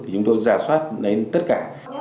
chúng tôi giả soát đến tất cả